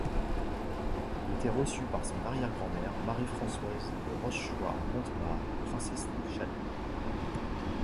Il y était reçu par son arrière-grand-mère, Marie-Françoise de Rochechouart-Mortemart, princesse de Chalais.